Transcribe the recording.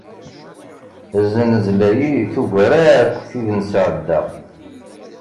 Zznezla-yi tugar akk tid nesɛedda.